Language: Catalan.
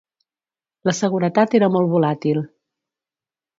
La seguretat era molt volàtil.